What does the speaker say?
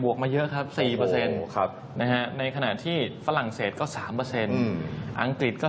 มาเยอะครับ๔ในขณะที่ฝรั่งเศสก็๓อังกฤษก็